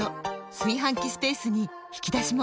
炊飯器スペースに引き出しも！